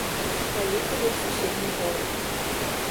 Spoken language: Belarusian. Паехалі ў суседні горад.